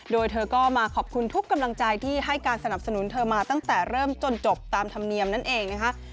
โดยเธอก็มาขอบคุณทุกกำลังใจที่ให้การสนับสนุนเธอมาตั้งแต่เริ่มจนจบตามธรรมเนียมนั่นเองนะคะ